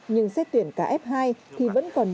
nhưng xét tuyển cả f hai thì vẫn còn